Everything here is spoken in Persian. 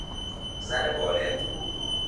زن بالغ